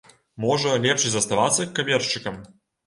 Можа, лепш і заставацца кавершчыкам?